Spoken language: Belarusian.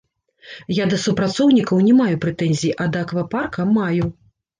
Я да супрацоўнікаў не маю прэтэнзій, а да аквапарка маю.